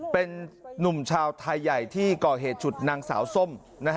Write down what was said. เป็นนุ่มชาวไทยใหญ่ที่ก่อเหตุฉุดนางสาวส้ม